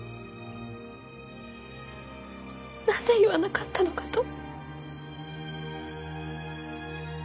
なぜ言わなかったのかと。